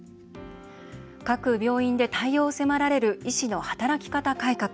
各病院で対応を迫られる医師の働き方改革。